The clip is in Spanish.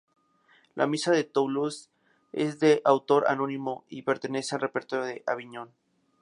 La "Misa de Toulouse" es de autor anónimo y pertenece al repertorio de Aviñón.